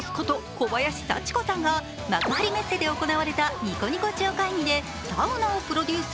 小林幸子さんが幕張メッセで行われたニコニコ超会議でサウナをプロデュース。